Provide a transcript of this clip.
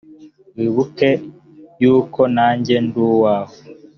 wibuke yuko nanjye nduwawe.